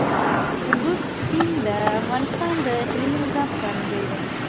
کندز سیند د افغانستان د اقلیمي نظام ښکارندوی ده.